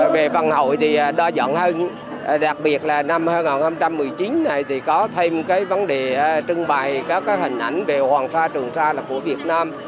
về văn hội thì đa dạng hơn đặc biệt là năm hai nghìn một mươi chín này thì có thêm cái vấn đề trưng bày các hình ảnh về hoàng sa trường sa là của việt nam